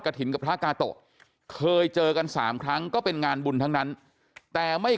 ถิ่นกับพระกาโตะเคยเจอกันสามครั้งก็เป็นงานบุญทั้งนั้นแต่ไม่